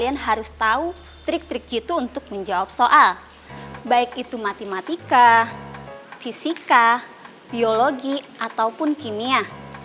dan hari ini saya akan memberi tahu trik jitu untuk menjawab soal matematika yang paling triste adalah otobless kek protokoli atau wallpaper